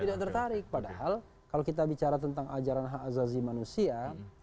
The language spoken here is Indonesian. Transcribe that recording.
tidak tertarik padahal kalau kita bicara tentang ajaran hak azazi manusia